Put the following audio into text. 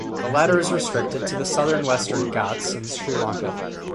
The latter is restricted to the southern Western Ghats and Sri Lanka.